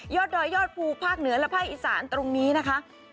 ดอยยอดภูภาคเหนือและภาคอีสานตรงนี้นะคะ